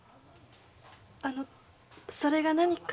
あのそれが何か？